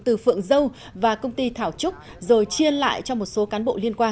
từ phượng dâu và công ty thảo trúc rồi chia lại cho một số cán bộ liên quan